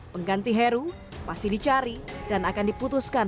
pengganti heru pasti dicari dan akan diputuskan